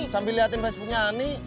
sambil liatin facebooknya ani